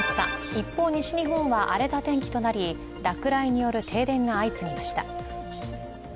一方、西日本は荒れた天気となり、落雷による停電が相次ぎました。